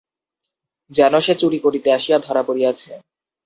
যেন সে চুরি করিতে আসিয়া ধরা পড়িয়াছে।